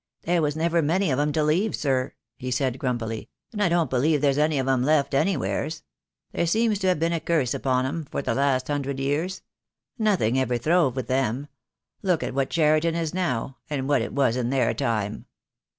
"There was never many of 'em to leave, sir," he said, grumpily, "and 1 don't believe there's any of 'em left any wheres. There seems to have been a curse upon 'em, for the last hundred years. Nothing ever throve with them. Look at what Cheriton is now, and what it was in their time."